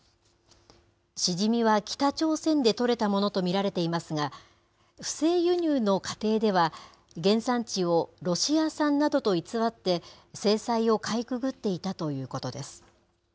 シジミは北朝鮮で採れたものと見られていますが、不正輸入の過程では、原産地をロシア産などと偽って、制裁をかいくぐっていたということです。